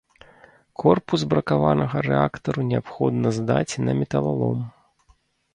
Корпус бракаванага рэактару неабходна здаць на металалом.